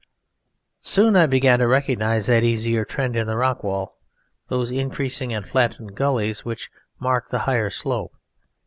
Soon I began to recognize that easier trend in the rock wall, those increasing and flattened gullies which mark the higher slope.